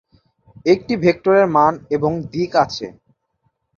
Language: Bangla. একটি ভেক্টরের মান এবং দিক আছে।